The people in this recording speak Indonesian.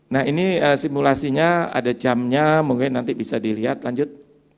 nah ini simulasinya ada jamnya mungkin nanti bisa dilihat lanjut